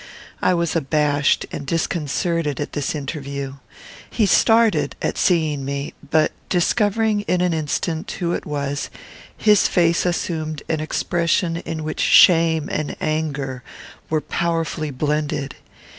I was abashed and disconcerted at this interview. He started at seeing me; but, discovering in an instant who it was, his face assumed an expression in which shame and anger were powerfully blended.